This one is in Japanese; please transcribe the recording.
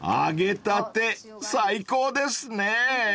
［揚げたて最高ですね］